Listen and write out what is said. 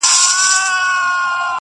پاچا سر سلامت د یوه سوال که اجازت وي,